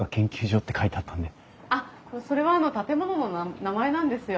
あっそれは建物の名前なんですよ。